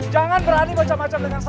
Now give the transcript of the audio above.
jangan berani macam macam dengan saya